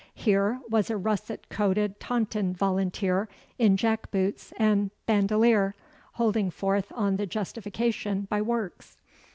Here was a russet coated Taunton volunteer in jackboots and bandolier, holding forth on the justification by works.